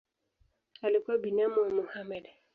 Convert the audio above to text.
Alikuwa binamu wa Mohamed.